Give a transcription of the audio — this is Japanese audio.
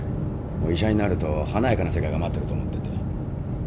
医者になると華やかな世界が待ってると思ってて。